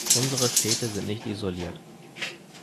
Unsere Städte sind nicht isoliert.